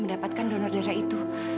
mendapatkan donor darah itu